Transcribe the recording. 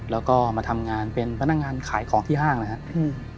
แล้วก็มาทำงานเป็นพนักงานขายของที่ห้างนะครับ